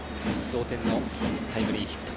同点のタイムリーヒット。